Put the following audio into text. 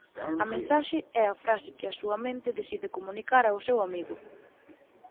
A mensaxe é a frase que a súa mente decide comunicar ao seu amigo.